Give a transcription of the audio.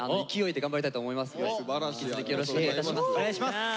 引き続きよろしくお願いします。